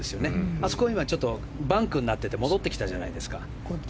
あそこはバンクになってて戻ってきたじゃないですか。